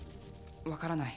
分からない